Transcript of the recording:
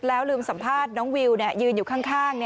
แล้วลืมสัมภาษณ์น้องวิวยืนอยู่ข้าง